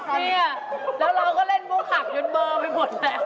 พี่แล้วเราก็เล่นบุคลักยนเบอร์ไปหมดแล้ว